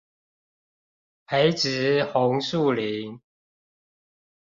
培植紅樹林